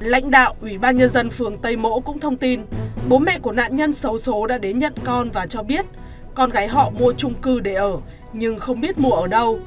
lãnh đạo ủy ban nhân dân phường tây mỗ cũng thông tin bố mẹ của nạn nhân xấu xố đã đến nhận con và cho biết con gái họ mua trung cư để ở nhưng không biết mua ở đâu